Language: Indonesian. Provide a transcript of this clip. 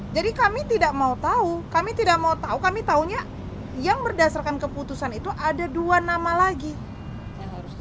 jadi kami tidak mau tahu kami tidak mau tahu kami tahunya yang berdasarkan keputusan itu ada dua nama lagi yang harus dicari